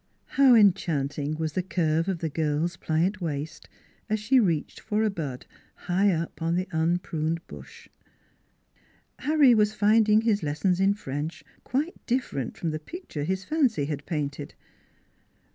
How enchanting was the curve of the girl's pliant waist as she reached for a bud high up on the unpruned bush ! Harry was finding his lessons in French quite different from the picture his fancy had painted.